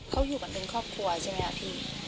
เขาอยู่กันเป็นครอบครัวใช่ไหมครับพี่